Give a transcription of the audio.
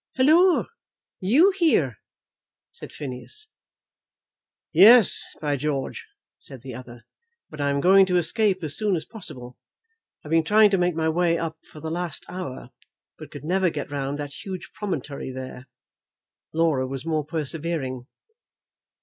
"Halloa, you here?" said Phineas. "Yes, by George!" said the other, "but I am going to escape as soon as possible. I've been trying to make my way up for the last hour, but could never get round that huge promontory there. Laura was more persevering."